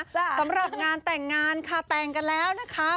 สำหรับงานแต่งงานค่ะแต่งกันแล้วนะคะ